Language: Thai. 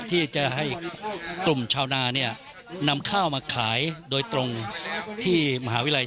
ที่จะให้กลุ่มชาวนาเนี่ยนำข้าวมาขายโดยตรงที่มหาวิทยาลัย